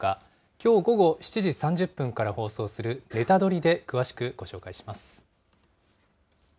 きょう午後７時３０分から放送するネタドリ！で詳しくご紹介します。